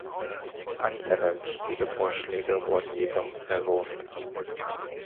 Andere wichtige Vorschläge wurden jedoch verworfen.